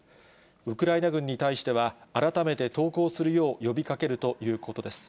ウクライナ軍に対しては、改めて投降するよう呼びかけるということです。